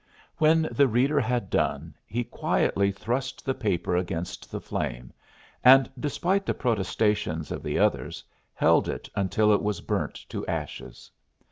When the reader had done, he quietly thrust the paper against the flame and despite the protestations of the others held it until it was burnt to ashes.